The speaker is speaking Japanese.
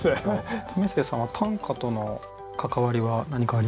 為末さんは短歌との関わりは何かありますか？